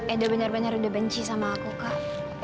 edo benar benar udah benci sama aku kak